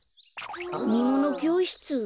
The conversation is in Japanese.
あみものきょうしつ？